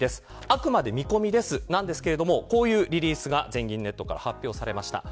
あくまで見込みですなんですけれども、こういうリリースが全銀ネットから発表されました。